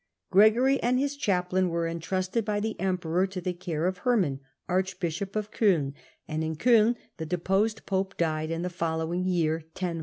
Gregory and his chaplain were entrusted by the emperor to the care of Herman, archbishop of C6ln, and in C5ln the deposed pope died in the following year, 1048.